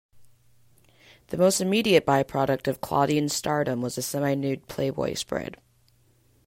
The most immediate byproduct of Claudine's stardom was a semi-nude "Playboy" spread.